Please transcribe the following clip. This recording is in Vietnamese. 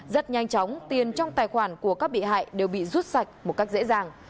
rất nhanh chóng tiền trong tài khoản của các bị hại đều bị rút sạch một cách dễ dàng